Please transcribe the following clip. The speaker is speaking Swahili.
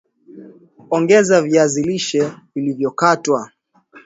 Ongeza viazi lishe vilivyokatwa